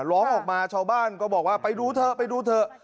ร้องออกมาชาวบ้านก็บอกว่าไปดูเถอะไปดูเถอะ